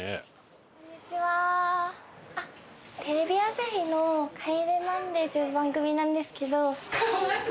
テレビ朝日の『帰れマンデー』という番組なんですけど。